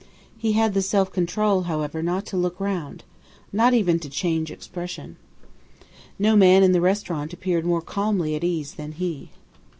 He had the self control, however, not to look round, not even to change expression. No man in the restaurant appeared more calmly at ease than he.